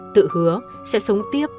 tự hứa sẽ sống tiếp